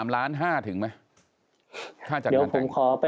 ๓ล้าน๕ถึงไหม